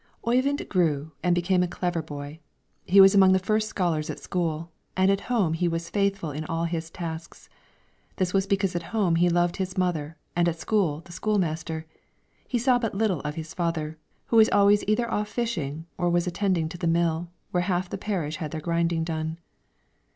Oyvind grew and became a clever boy; he was among the first scholars at school, and at home he was faithful in all his tasks. This was because at home he loved his mother and at school the school master; he saw but little of his father, who was always either off fishing or was attending to the mill, where half the parish had their grinding done.